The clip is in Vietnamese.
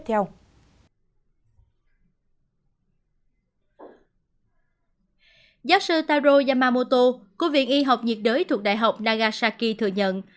taro yamamoto của viện y học nhiệt đới thuộc đại học nagasaki thừa nhận